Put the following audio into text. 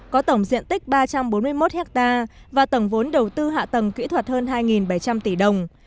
có tổng diện tích ba trăm bốn mươi một ha và tổng vốn đầu tư hạ tầng kỹ thuật hơn hai bảy trăm linh tỷ đồng